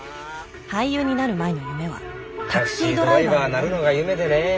俳優になる前の夢はタクシードライバーなるのが夢でね。